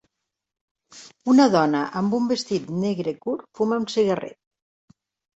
Una dona amb un vestit negre curt fuma un cigarret.